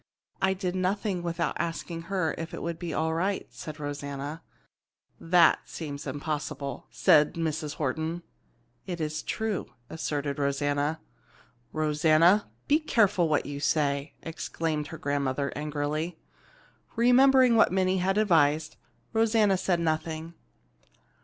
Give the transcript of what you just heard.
"I did nothing without asking her if it would be all right," said Rosanna. "That seems impossible," said Mrs. Horton. "It is true," asserted Rosanna. "Rosanna, be careful what you say!" exclaimed her grandmother angrily. Remembering what Minnie had advised, Rosanna said nothing.